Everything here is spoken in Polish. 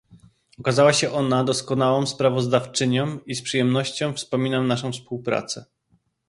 Okazała się ona doskonałą sprawozdawczynią i z przyjemnością wspominam naszą współpracę